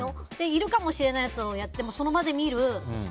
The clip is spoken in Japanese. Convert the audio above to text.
いるかもしれないやつをやってもその場で見る。